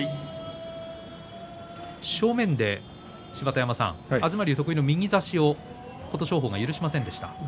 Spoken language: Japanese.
正面で芝田山さん、東龍、得意の右差しを琴勝峰が許しませんでした。